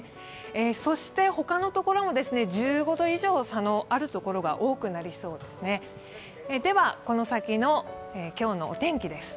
そしてほかの所も１５度以上差のある所が多くなりそうですね。